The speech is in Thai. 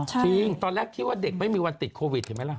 จริงตอนแรกคิดว่าเด็กไม่มีวันติดโควิดเห็นไหมล่ะ